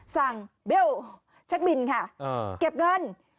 สั่งเบลล์แช็คบินค่ะเก็บเงิน